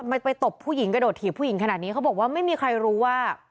ไปตบผู้หญิงกระโดดถีบผู้หญิงขนาดนี้เขาบอกว่าไม่มีใครรู้ว่า